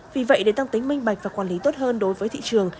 vì vậy để tăng tính minh bạch và quản lý tốt hơn đối với thị trường